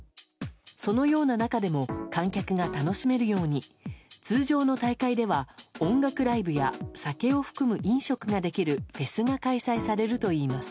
そのような中でも観客が楽しめるように通常の大会では音楽ライブや酒を含む飲食ができるフェスが開催されるといいます。